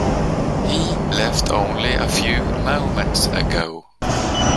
He left only a few moments ago.